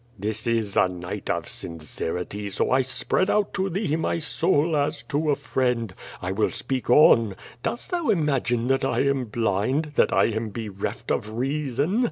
"This is a night of sincerity, so I spread out to thee my soul as to a friend. I will speak on. Dost thou imagine that I am blind, that I am bereft of reason?